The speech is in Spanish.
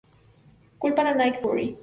Culpan a Nick Fury.